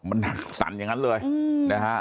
มันสั่นอย่างนั้นเลยนะฮะ